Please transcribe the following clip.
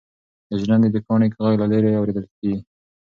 د ژرندې د کاڼي غږ له لیرې اورېدل کېږي.